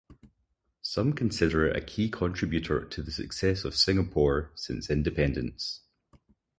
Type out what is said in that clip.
Some consider it a key contributor to the success of Singapore since independence.